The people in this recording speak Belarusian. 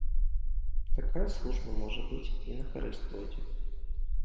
Такая служба, можа быць, і на карысць пойдзе.